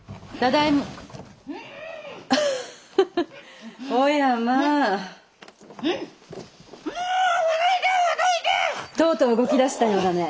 とうとう動き出したようだね。